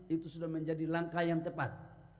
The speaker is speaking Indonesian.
itu sudah menjadi langkah yang tepat